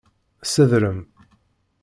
Sedrem.